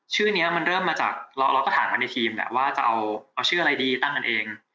ชื่อนี้มันเริ่มมาจากเราก็ถามกันในทีมแหละว่าจะเอาชื่ออะไรดีตั้งกันเอง